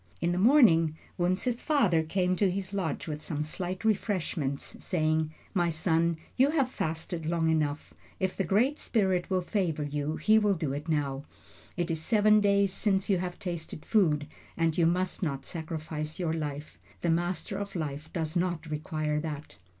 In the morning, Wunzh's father came to his lodge with some slight refreshments, saying: "My son, you have fasted long enough. If the Great Spirit will favor you, he will do it now. It is seven days since you have tasted food, and you must not sacrifice your life. The Master of Life does not require that."